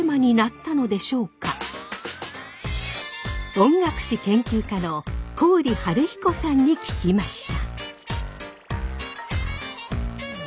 音楽史研究家の郡修彦さんに聞きました。